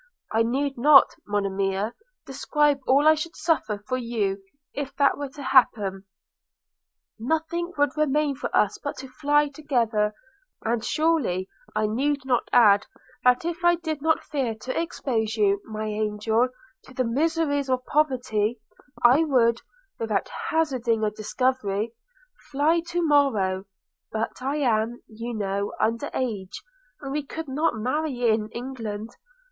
I need not, Monimia, describe all I should suffer for you if that were to happen; nothing would remain for us but to fly together: and surely I need not add, that if I did not fear to expose you, my angel, to the miseries of poverty, I would, without hazarding a discovery, fly to morrow; but I am, you know, under age, and we could not marry in England.